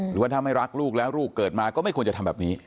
หรือว่าถ้าไม่รักลูกแล้วลูกเกิดมาก็ไม่ควรจะทำแบบนี้